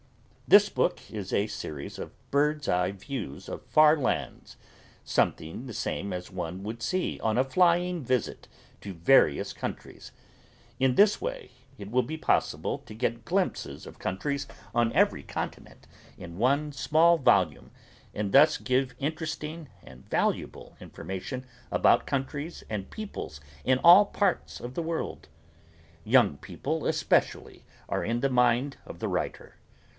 This book is a series of Birdseye Views of Far Lands something the same as one would see on a flying visit to various countries. In this way it will be possible to get glimpses of countries on every continent in one small volume and thus give interesting and valuable information about countries and peoples in all parts of the world. Young people especially are in the mind of the writer.